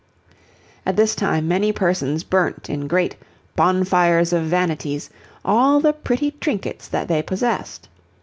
At this time many persons burnt in great 'bonfires of vanities' all the pretty trinkets that they possessed.